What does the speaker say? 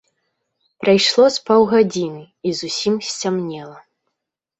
Прайшло з паўгадзіны, і зусім сцямнела.